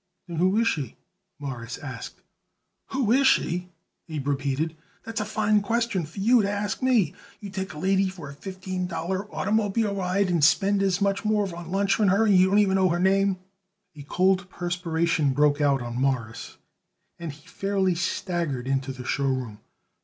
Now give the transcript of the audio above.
"Then who is she?" Morris asked. "Who is she?" Abe repeated. "That's a fine question for you to ask me. You take a lady for a fifteen dollar oitermobile ride, and spend it as much more for lunch in her, and you don't even know her name!" A cold perspiration broke out on Morris and he fairly staggered into the show room.